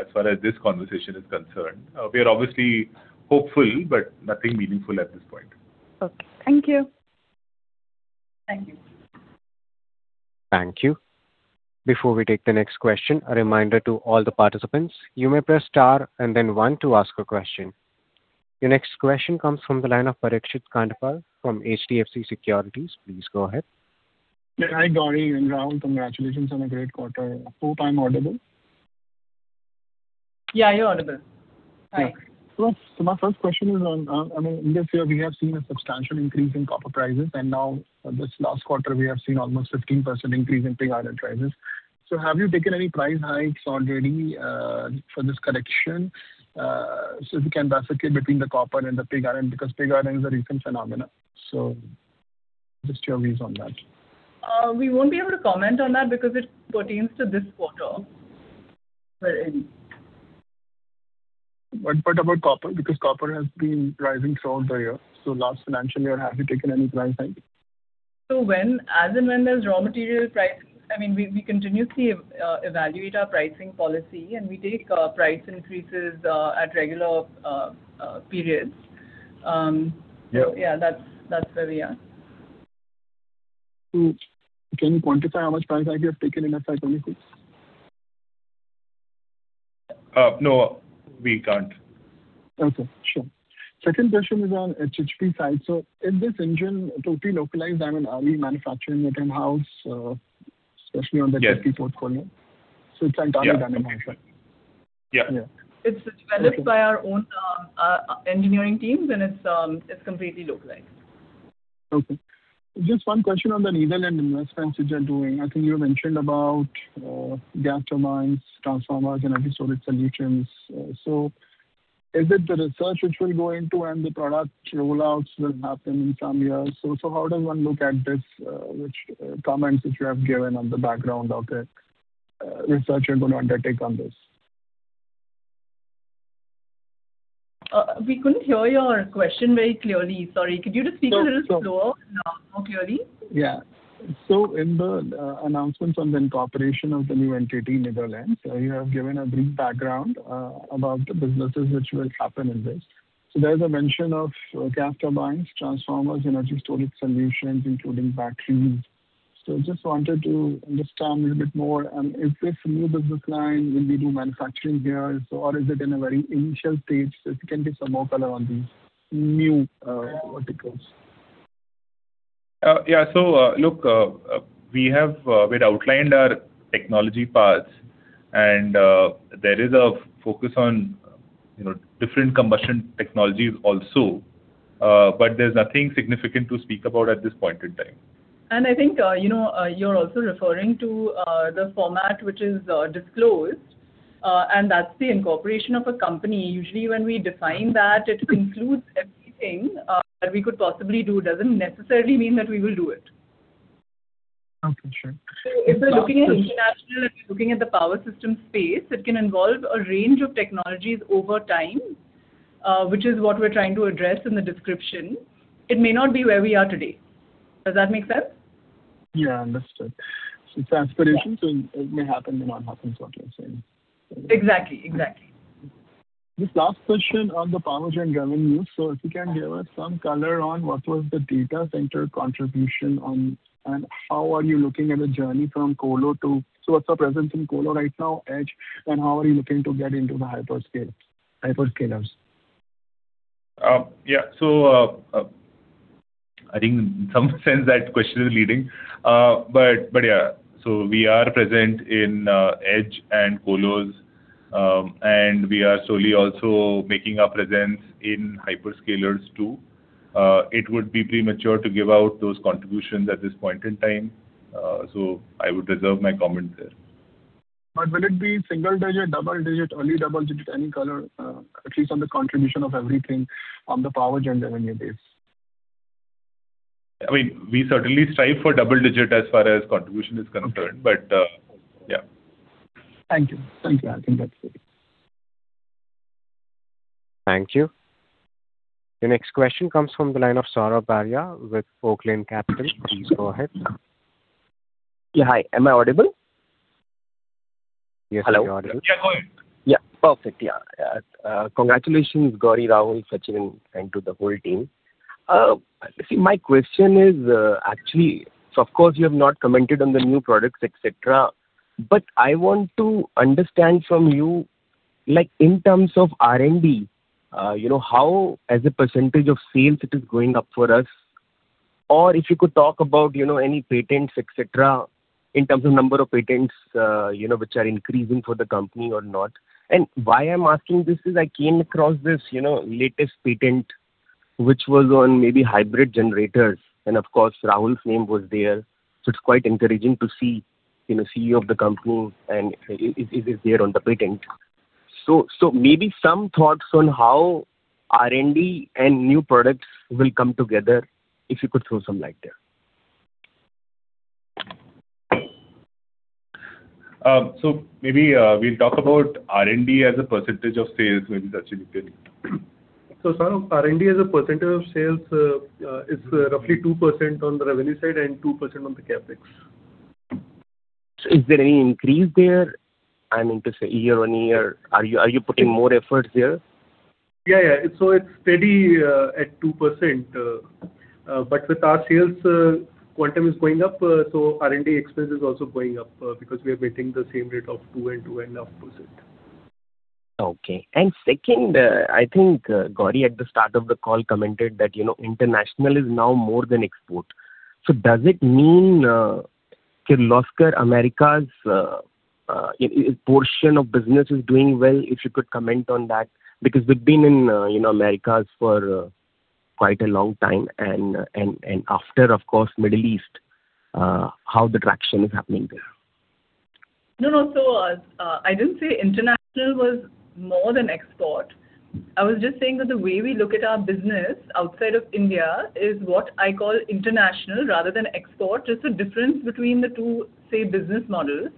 as far as this conversation is concerned. We are obviously hopeful, but nothing meaningful at this point. Okay. Thank you. Thank you. Thank you. Before we take the next question, a reminder to all the participants, you may press star and then one to ask a question. Your next question comes from the line of Parikshit Kandpal from HDFC Securities. Please go ahead. Yeah. Hi, Gauri and Rahul. Congratulations on a great quarter. Hope I'm audible. Yeah, you're audible. Hi. My first question is on, I mean, in this year we have seen a substantial increase in copper prices, and now this last quarter we have seen almost 15% increase in pig iron prices. Have you taken any price hikes already for this correction, so we can bifurcate between the copper and the pig iron? Pig iron is a recent phenomenon. Just your views on that. We won't be able to comment on that because it pertains to this quarter. What about copper? Because copper has been rising throughout the year. Last financial year, have you taken any price hike? I mean, we continuously evaluate our pricing policy, and we take price increases at regular periods. Yeah. Yeah, that's where we are. Can you quantify how much price hike you have taken in FY 2022? No, we can't. Okay. Sure. Second question is on HHP side. Is this engine totally localized? I mean, are we manufacturing it in-house? Yes HHP portfolio? It's like entirely done in-house, right? Yeah. Yeah. It's developed by our own engineering teams, and it's completely localized. Okay. Just one question on the Netherlands investments which you are doing. I think you mentioned about gas turbines, transformers, energy storage solutions. Is it the research which will go into and the product rollouts will happen in some years? How does one look at this which comments which you have given on the background of the research you're gonna undertake on this? We couldn't hear your question very clearly. Sorry. Could you just speak a little slower, more clearly? Yeah. In the announcements on the incorporation of the new entity, Netherlands, you have given a brief background about the businesses which will happen in this. There's a mention of gas turbines, transformers, energy storage solutions, including batteries. Just wanted to understand a little bit more on is this new business line, will we do manufacturing here, so or is it in a very initial stage? If you can give some more color on these new verticals. Yeah. Look, we'd outlined our technology paths and there is a focus on, you know, different combustion technologies also. There's nothing significant to speak about at this point in time. I think, you know, you're also referring to the format which is disclosed, and that's the incorporation of a company. Usually, when we define that, it includes everything that we could possibly do. It doesn't necessarily mean that we will do it. Okay. Sure. If we're looking at international and we're looking at the power system space, it can involve a range of technologies over time, which is what we're trying to address in the description. It may not be where we are today. Does that make sense? Yeah, understood. It's aspiration. Yeah. It may happen, may not happen, is what you're saying. Exactly. Exactly. Just last question on the power gen revenue. If you can give us some color on what was the data center contribution on. How are you looking at the journey from colo to? What's your presence in colo right now, edge, and how are you looking to get into the hyperscale, hyperscalers? Yeah. I think in some sense that question is leading. Yeah. We are present in edge and colos, and we are slowly also making our presence in hyperscalers too. It would be premature to give out those contributions at this point in time, so I would reserve my comment there. Will it be single digit, double digit, early double digit, any color, at least on the contribution of everything on the power gen revenue base? I mean, we certainly strive for double-digit as far as contribution is concerned. Okay. Yeah. Thank you. Thanks, Rahul. I think that's it. Thank you. The next question comes from the line of Sourabh Arya with Oaklane Capital Management. Please go ahead. Yeah. Hi. Am I audible? Yes, we can hear you. Hello. Yeah. Go ahead. Yeah. Perfect. Yeah. Congratulations, Gauri, Rahul, Sachin, and to the whole team. See, my question is, actually, so of course you have not commented on the new products, et cetera, but I want to understand from you, like in terms of R&D, you know, how as a percentage of sales it is going up for us. Or if you could talk about, you know, any patents, et cetera, in terms of number of patents, you know, which are increasing for the company or not. Why I'm asking this is I came across this, you know, latest patent, which was on maybe hybrid generators, and of course Rahul's name was there. It's quite encouraging to see, you know, CEO of the company and is there on the patent. Maybe some thoughts on how R&D and new products will come together, if you could throw some light there. Maybe, we'll talk about R&D as a percent of sales. Maybe Sachin, you can. Saurabh, R&D as a percentage of sales, is roughly 2% on the revenue side and 2% on the CapEx. Is there any increase there, I mean, to say year-on-year? Are you putting more efforts there? Yeah. It's steady at 2%, but with our sales quantum is going up, so R&D expense is also going up, because we are maintaining the same rate of 2%-2.5%. Okay. Second, I think Gauri at the start of the call commented that, you know, international is now more than export. Does it mean Kirloskar Americas portion of business is doing well? If you could comment on that, because they've been in Americas for quite a long time and after, of course, Middle East, how the traction is happening there. No, no. I didn't say international was more than export. I was just saying that the way we look at our business outside of India is what I call international rather than export. Just the difference between the two, say, business models.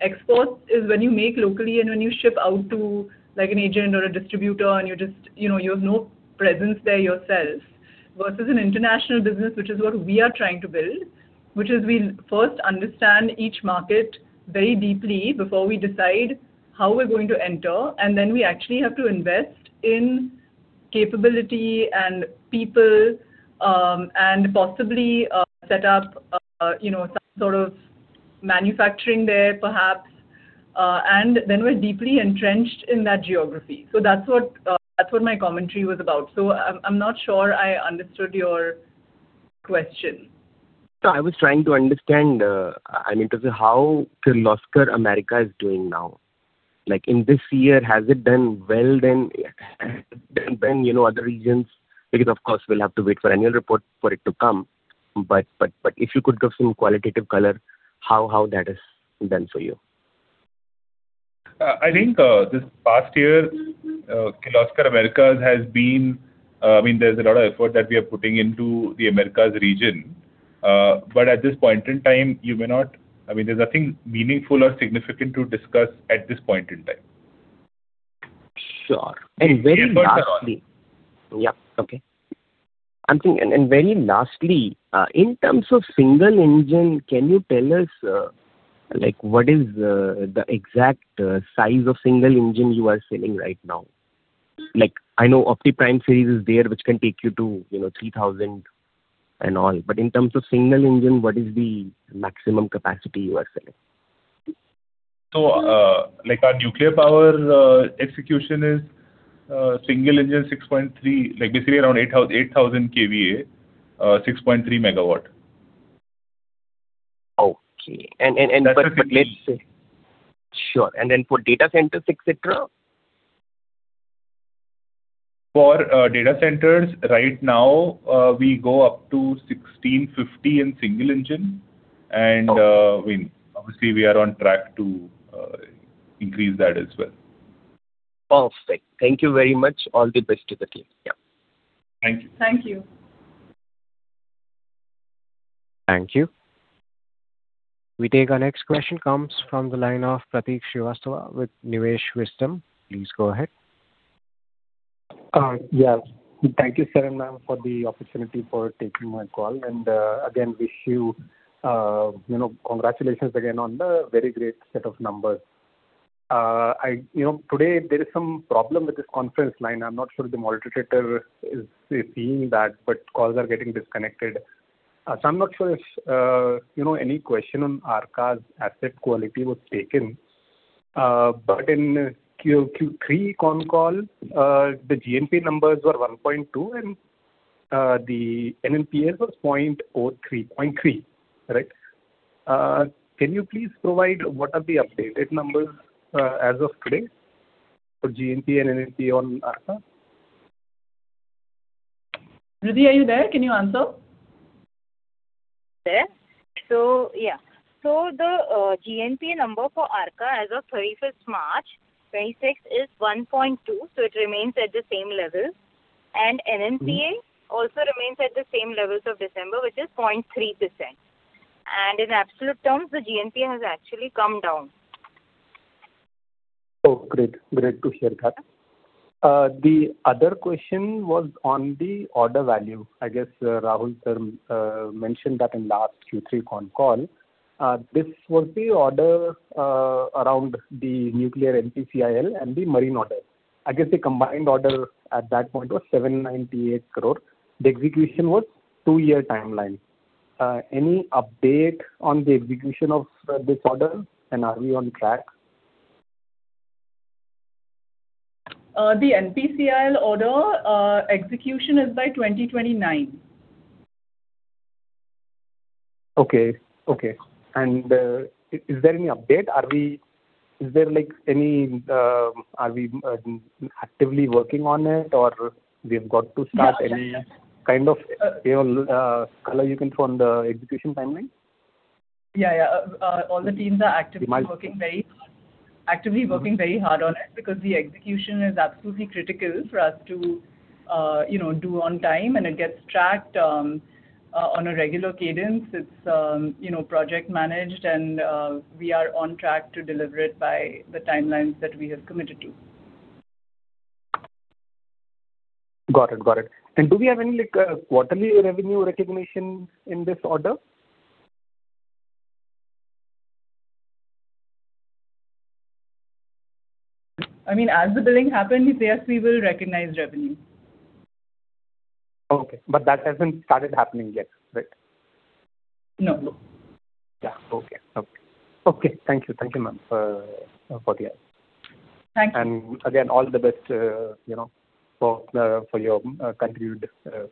Export is when you make locally and when you ship out to, like, an agent or a distributor and you're just you know, you have no presence there yourself versus an international business, which is what we are trying to build, which is we first understand each market very deeply before we decide how we're going to enter, and then we actually have to invest in capability and people, and possibly set up, you know, some sort of manufacturing there perhaps. Then we're deeply entrenched in that geography. That's what, that's what my commentary was about. I'm not sure I understood your question. No, I was trying to understand, I mean, 'cause how Kirloskar America is doing now. Like, in this year, has it done well than, you know, other regions? Of course we'll have to wait for annual report for it to come, but if you could give some qualitative color how that has done for you. I think, this past year, Kirloskar Americas has been, I mean, there's a lot of effort that we are putting into the Americas region. At this point in time, I mean, there's nothing meaningful or significant to discuss at this point in time. Sure. We have heard it all. Yeah. Okay. I'm thinking, and very lastly, in terms of single engine, can you tell us, like what is the exact size of single engine you are selling right now? Like, I know OptiPrime series is there, which can take you to, you know, 3,000 and all. In terms of single engine, what is the maximum capacity you are selling? Like our nuclear power execution is single engine 6.3, like basically around 8,000 kVA, 6.3 megawatt. Okay. That's the key. Sure. For data centers, et cetera? For data centers right now, we go up to 1,650 in single engine. Okay. I mean, obviously we are on track to increase that as well. Perfect. Thank you very much. All the best to the team. Yeah. Thank you. Thank you. Thank you. We take our next question, comes from the line of Prateek Srivastava with Nivesh Wisdom. Please go ahead. Yeah. Thank you, Karan, for the opportunity for taking my call and again wish you know, congratulations again on the very great set of numbers. I You know, today there is some problem with this conference line. I'm not sure if the moderator is seeing that, but calls are getting disconnected. I'm not sure if, you know, any question on Arka's asset quality was taken. In Q3 con call, the GNPA numbers were 1.2 and the NNPA was 0.03, 0.3. Right? Can you please provide what are the updated numbers as of today for GNPA and NNPA on Arka? Ridhi, are you there? Can you answer? There. Yeah. The GNPA number for Arka as of March 31, 2026 is 1.2%, so it remains at the same level. also remains at the same levels of December, which is 0.3%. In absolute terms, the GNPA has actually come down. Great. Great to hear that. The other question was on the order value. I guess, Rahul, sir, mentioned that in last Q3 con call. This was the order around the nuclear NPCIL and the marine order. I guess the combined order at that point was 798 crore. The execution was two-year timeline. Any update on the execution of this order and are we on track? The NPCIL order, execution is by 2029. Okay. Okay. Is there any update? Is there like any Are we actively working on it or we've got to start. Yeah, yeah. kind of, you know, color you can throw on the execution timeline? Yeah. All the teams are actively working very hard. My- actively working very hard on it because the execution is absolutely critical for us to, you know, do on time and it gets tracked, on a regular cadence. It's, you know, project managed and, we are on track to deliver it by the timelines that we have committed to. Got it. Got it. Do we have any like, quarterly revenue recognition in this order? I mean, as the billing happens, yes, we will recognize revenue. Okay. That hasn't started happening yet, right? No. Yeah. Okay. Okay. Okay, thank you. Thank you, ma'am, for that. Thank you. Again, all the best, you know, for your continued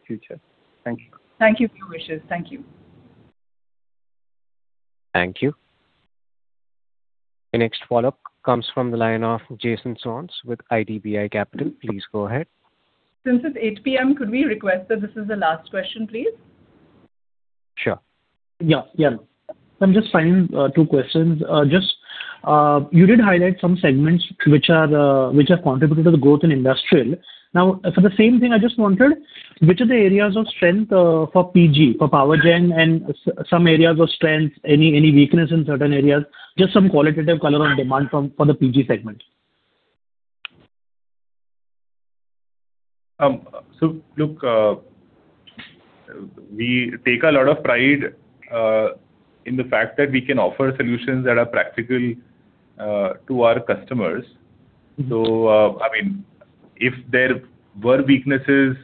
future. Thank you. Thank you for your wishes. Thank you. Thank you. The next follow-up comes from the line of Jason Soans with IDBI Capital. Please go ahead. Since it's 8:00 P.M., could we request that this is the last question, please? Sure. Yeah, yeah. I'm just finding two questions. Just, you did highlight some segments which are which have contributed to the growth in industrial. For the same thing, I just wondered which are the areas of strength for PG, for power gen and some areas of strength, any weakness in certain areas, just some qualitative color on demand for the PG segment. Look, we take a lot of pride in the fact that we can offer solutions that are practical to our customers. I mean, if there were weaknesses,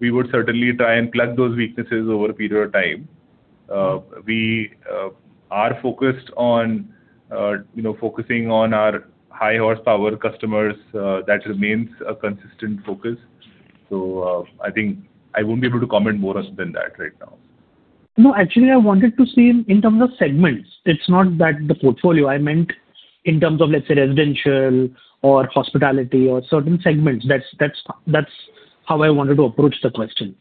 we would certainly try and plug those weaknesses over a period of time. We are focused on, you know, focusing on our high horsepower customers. That remains a consistent focus. I think I won't be able to comment more as than that right now. No, actually I wanted to see in terms of segments. It's not that the portfolio, I meant in terms of, let's say, residential or hospitality or certain segments. That's how I wanted to approach the question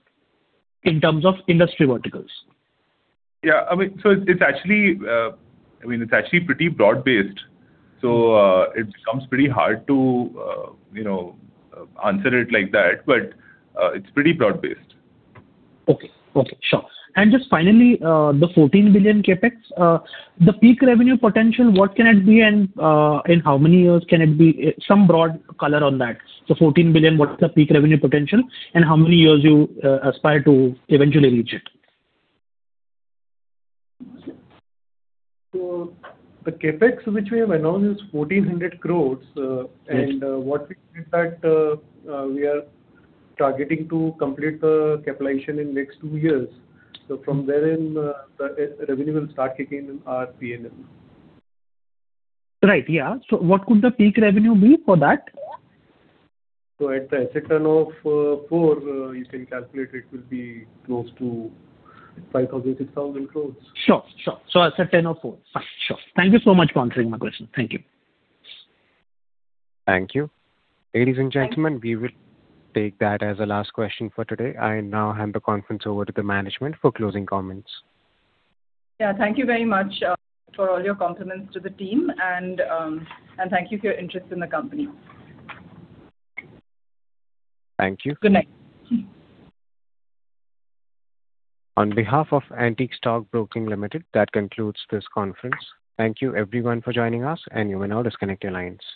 in terms of industry verticals. Yeah. I mean, so it's actually, I mean, it's actually pretty broad-based, so it becomes pretty hard to, you know, answer it like that, but it's pretty broad-based. Okay. Okay. Sure. Just finally, the 14 billion CapEx, the peak revenue potential, what can it be and, in how many years can it be? Some broad color on that. The 14 billion, what's the peak revenue potential and how many years you aspire to eventually reach it? The CapEx which we have announced is 1,400 crores. Yes. What we did that, we are targeting to complete the capitalization in next two years. From wherein, the revenue will start kicking in our PNL. Right. Yeah. What could the peak revenue be for that? At the asset turn of four, you can calculate it will be close to 5,000 crore, 6,000 crore. Sure. Sure. Asset turn of four. Fine. Sure. Thank you so much for answering my question. Thank you. Thank you. Ladies and gentlemen, we will take that as a last question for today. I now hand the conference over to the management for closing comments. Yeah. Thank you very much, for all your compliments to the team and thank you for your interest in the company. Thank you. Good night. On behalf of Antique Stock Broking Limited, that concludes this conference. Thank you everyone for joining us, and you may now disconnect your lines.